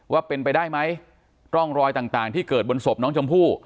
ว่าเป็นไปได้ไหมร่องรอยต่างที่เกิดบนศพน้องชมพู่